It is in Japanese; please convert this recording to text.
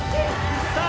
さあ